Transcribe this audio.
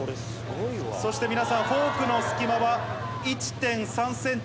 そして皆さん、フォークの隙間は１．３センチ。